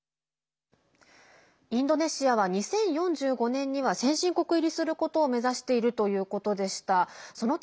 インドネシアは２０４５年には先進国入りすることを目指しているということでした。